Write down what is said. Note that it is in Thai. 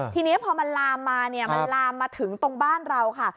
ทีนี้ขอเหล่ามมาถึงตรงบ้านเราค่ะ